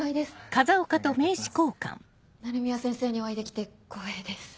鳴宮先生にお会いできて光栄です。